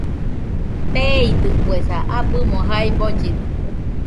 Teeidɨkuesa, abɨmo jae bollidɨkue